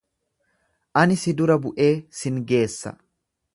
Ani si dura bu'ee sin geessa.